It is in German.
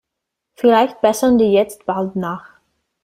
Vielleicht bessern die jetzt bald nach.